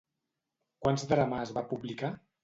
Quants drames va publicar?